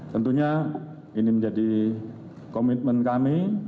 tentunya ini menjadi komitmen kami